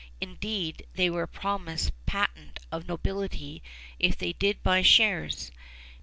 Indeed, they were promised patent of nobility if they did buy shares.